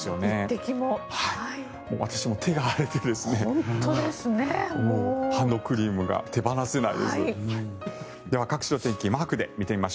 私も手が荒れてハンドクリームが手放せないです。